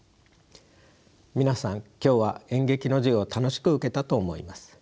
皆さん今日は演劇の授業を楽しく受けたと思います。